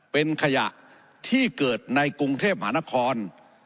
เป็นขยะที่เกิดในกรุงเทพมหานคร